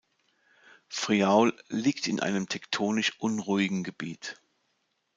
Friaul liegt in einem tektonisch unruhigen Gebiet.